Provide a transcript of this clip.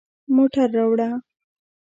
موټر راوړه